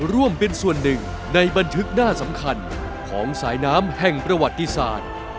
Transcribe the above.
ร่วมเป็นส่วนหนึ่งในบันทึกหน้าสำคัญของสายน้ำแห่งประวัติศาสตร์